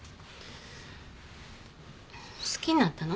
好きになったの？